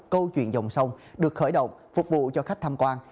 câu chuyện dòng sông được khởi động phục vụ cho khách tham quan